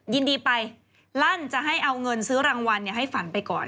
ยินดีไปลั่นจะให้เอาเงินซื้อรางวัลให้ฝันไปก่อน